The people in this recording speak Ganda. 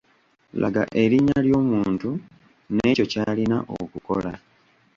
Laga erinnya ly'omuntu n'ekyo ky'alina okukokola.